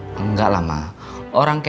orang catherine ini bukan masakan sebanyak ini